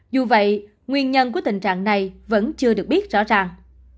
dù vậy nguyên nhân của tình trạng này vẫn chưa được biết rõ ràng